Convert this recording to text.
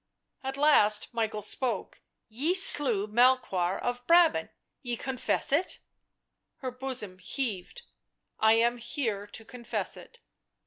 At last Michael spoke. " Ye slew Melchoir of Brabant — ye confess it!" Her bosom heaved. " I am here to confess it."